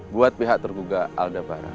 buat pihak tergugah paldeparan